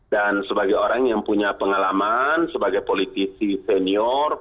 dan sebagai orang yang punya pengalaman sebagai politisi senior